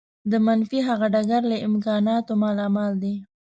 د منفي هغه ډګر له امکاناتو مالامال دی.